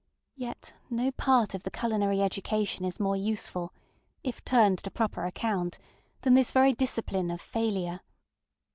Yet no part of the culinary education is more useful, if turned to proper account, than this very discipline of failure.